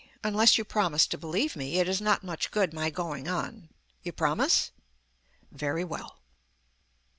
Unless you promise to believe me, it is not much good my going on ... You promise? Very well.